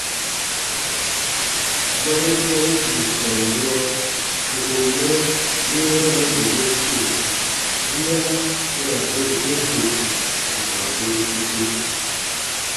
Gɔrin mɔɔn bii tɔn durɔ n kùn mɛ win wɔnɔn bibun turo wiya u ra beku te dwe bù ka goru sike.